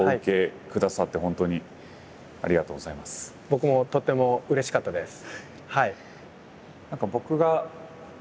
僕もとってもうれしかったです。